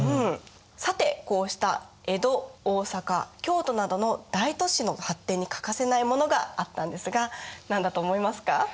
さてこうした江戸大坂京都などの大都市の発展に欠かせないものがあったんですが何だと思いますか？